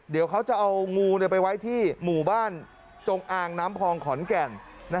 เดี๋ยวเขาจะเอางูไปไว้ที่หมู่บ้านจงอางน้ำพองขอนแก่น